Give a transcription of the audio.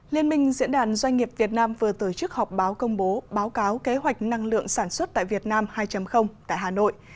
liên minh diễn đàn doanh nghiệp việt nam vừa tổ chức họp báo công bố báo cáo kế hoạch năng lượng sản xuất tại việt nam hai tại hà nội